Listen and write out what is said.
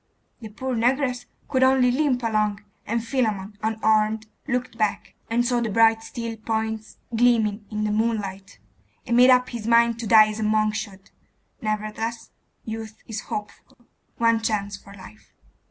The poor negress could only limp along, and Philammon, unarmed, looked back, and saw the bright steel points gleaming in the moonlight, and made up his mind to die as a monk should. Nevertheless, youth is hopeful. One chance for life.